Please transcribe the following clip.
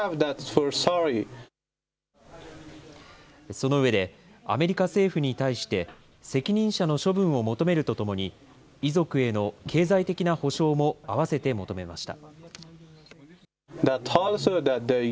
その上で、アメリカ政府に対して、責任者の処分を求めるとともに、遺族への経済的な補償も併せて求めました。